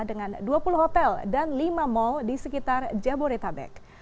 dengan dua puluh hotel dan lima mal di sekitar jabodetabek